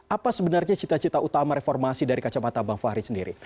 apa sebenarnya cita cita utama reformasi dari kacamata bang fahri sendiri